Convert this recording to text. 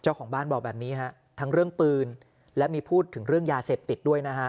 เจ้าของบ้านบอกแบบนี้ฮะทั้งเรื่องปืนและมีพูดถึงเรื่องยาเสพติดด้วยนะฮะ